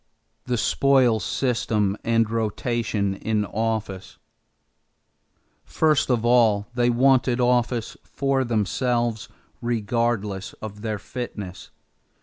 =The Spoils System and Rotation in Office.= First of all they wanted office for themselves, regardless of their fitness.